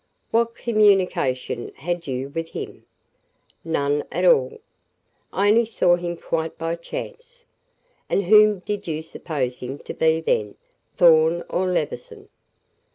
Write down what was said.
"What communication had you with him?" "None at all. I only saw him quite by chance." "And whom did you suppose him to be then Thorn or Levison?"